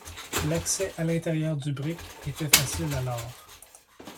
L’accès à l’intérieur du brick était facile alors